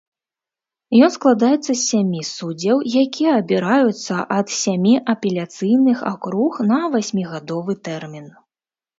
Ён складаецца з сямі суддзяў, якія абіраюцца ад сямі апеляцыйных акруг на васьмігадовы тэрмін.